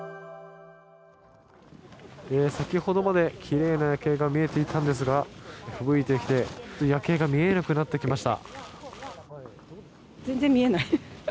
先ほどまで奇麗な夜景が見えていたんですがふぶいてきて夜景が見えなくなってきました。